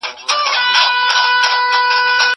زه پرون د ښوونځی لپاره تياری وکړ.